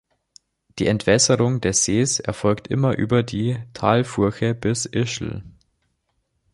Die Entwässerung des Sees erfolgte immer über die Talfurche der Ischl.